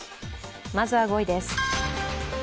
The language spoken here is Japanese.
まずは５位です。